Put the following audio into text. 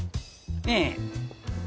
ええ。